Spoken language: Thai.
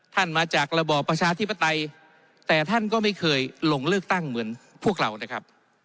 มาจากระบอบประชาธิปไตยแต่ท่านก็ไม่เคยลงเลือกตั้งเหมือนพวกเรานะครับ